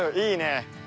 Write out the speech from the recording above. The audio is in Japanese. いいね。